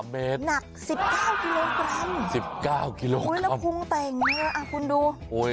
๓เมตรหนัก๑๙กิโลกรัมแล้วพุงแต่งเนื้อคุณดู